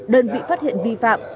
đơn vị phát hiện vi phạm